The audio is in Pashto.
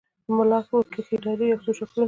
ملا وکښې دایرې یو څو شکلونه